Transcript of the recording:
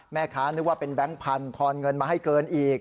นึกว่าเป็นแบงค์พันธอนเงินมาให้เกินอีก